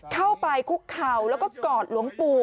เข้าไปคุกเข่าแล้วก็กอดหลวงปู่